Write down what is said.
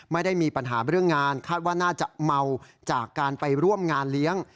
ไม่ได้มีปัญหาเรื่องงานคาดว่าน่าจะเมาจากการไปร่วมงานเลี้ยง